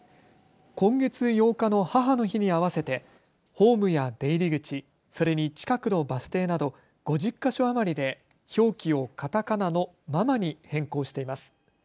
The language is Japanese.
今月８日の母の日に合わせてホームや出入り口、それに近くのバス停など５０か所余りで表記をカタカナのママに変更しています。